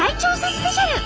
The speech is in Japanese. スペシャル！